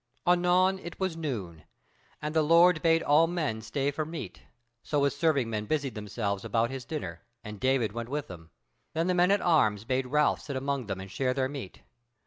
Anon it was noon, and the lord bade all men stay for meat: so his serving men busied them about his dinner, and David went with them. Then the men at arms bade Ralph sit among them and share their meat.